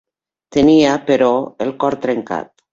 Tenia, però, el cor trencat.